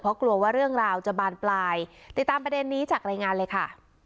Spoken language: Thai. เพราะกลัวว่าเรื่องราวจะบานปลายติดตามประเด็นนี้จากรายงานเลยค่ะ